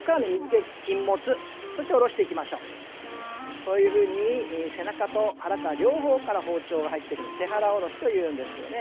こういうふうに背中と腹から両方から包丁が入ってくる背腹おろしというんですけどね。